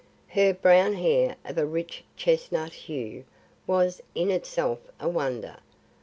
Her brown hair of a rich chestnut hue, was in itself a wonder.